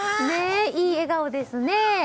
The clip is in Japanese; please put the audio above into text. いい笑顔ですね。